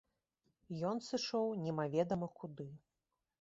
Ён сышоў немаведама куды.